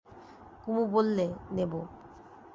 কুমু বললে, নেব।